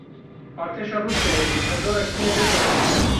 Artêşa Rûsyayê ji derdora Kîyevê vedikşe.